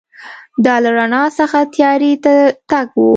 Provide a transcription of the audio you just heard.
دا له رڼا څخه تیارې ته تګ و.